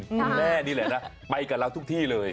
คุณแม่นี่เลยนะไปกันแล้วทุกที่เลย